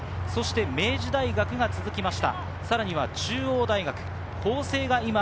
明治大学が続きました。